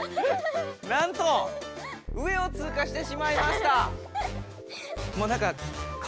なんと上を通過してしまいました。